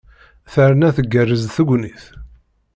Terna tgerrez tegnit!